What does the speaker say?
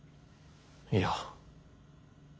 いや。